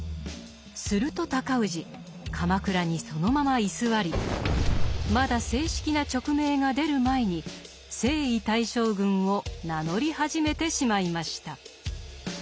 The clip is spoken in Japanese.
すると尊氏鎌倉にそのまま居座りまだ正式な勅命が出る前に征夷大将軍を名乗り始めてしまいました。